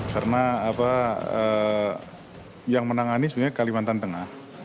karena yang menangani sebenarnya kalimantan tengah